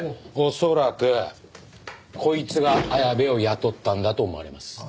恐らくこいつが綾部を雇ったんだと思われます。